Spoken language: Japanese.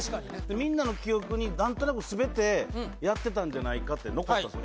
みんなの記憶に何となくすべてやってたんじゃないかって残ったんですよ